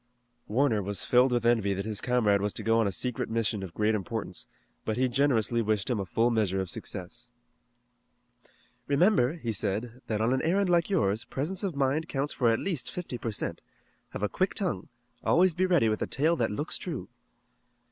Warner was filled with envy that his comrade was to go on a secret mission of great importance, but he generously wished him a full measure of success. "Remember," he said, "that on an errand like yours, presence of mind counts for at least fifty per cent. Have a quick tongue. Always be ready with a tale that looks true."